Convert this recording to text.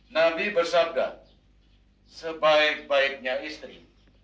nabi bersabda sebaik baiknya istri